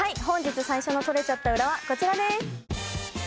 本日最初の撮れちゃったウラはこちらです！